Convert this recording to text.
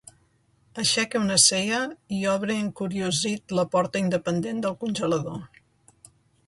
Aixeca una cella i obre encuriosit la porta independent del congelador.